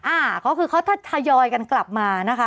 อ่าก็คือเขาทยอยกันกลับมานะคะ